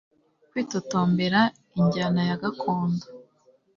Kwitotombera injyanayagakondo